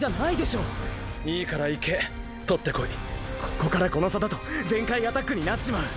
ここからこの差だと全開アタックになっちまう。